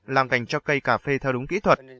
làm cảnh cho cây cà phê theo đúng kỹ thuật